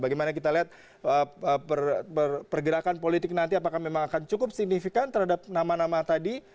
bagaimana kita lihat pergerakan politik nanti apakah memang akan cukup signifikan terhadap nama nama tadi